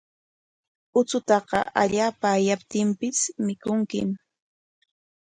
Uchutaqa allaapa ayaptinpis mikunkim.